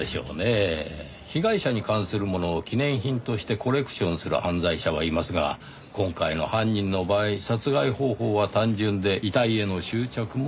被害者に関するものを記念品としてコレクションする犯罪者はいますが今回の犯人の場合殺害方法は単純で遺体への執着も薄い。